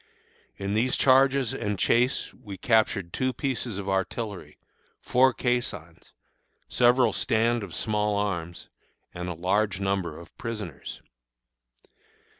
In these charges and chase we captured two pieces of artillery, four caissons, several stand of small arms, and a large number of prisoners.